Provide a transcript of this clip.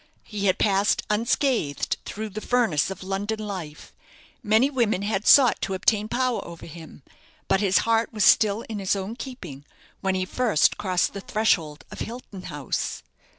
He had passed unscathed through the furnace of London life; many women had sought to obtain power over him; but his heart was still in his own keeping when he first crossed the threshold of Hilton House.